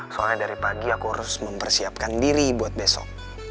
soalnya dari pagi aku harus mempersiapkan diri buat besok